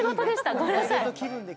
ごめんなさい。